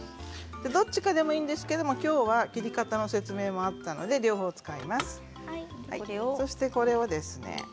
どちらかでもいいんですけれど今日は切り方の説明があったので２種類使います。